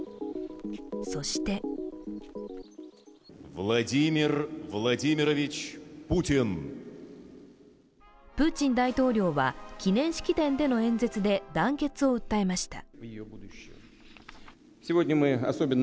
そしてプーチン大統領は、記念式典での演説で団結を訴えました。